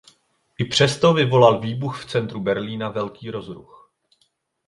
I přesto vyvolal výbuch v centru Berlína velký rozruch.